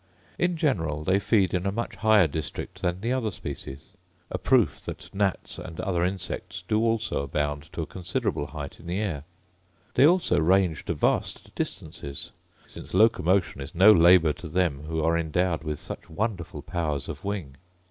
In general they feed in a much higher district than the other species; a proof that gnats and other insects do also abound to a considerable height in the air: they also range to vast distances; since locomotion is no labour to them, who are endowed with such wonderful powers of wing.